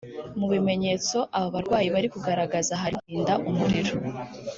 Mu bimenyetso aba barwayi bari kugaragaza harimo guhinda umuriro